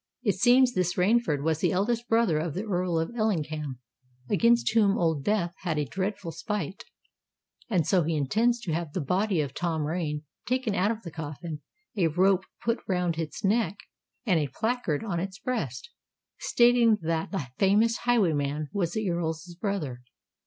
It seems that this Rainford was the eldest brother of the Earl of Ellingham, against whom Old Death has a dreadful spite; and so he intends to have the body of Tom Rain taken out of the coffin, a rope put round its neck, and a placard on its breast, stating that the famous highwayman was the Earl's brother.